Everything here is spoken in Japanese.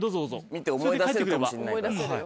見て思い出せるかもしんないから。